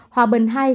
hòa bình hai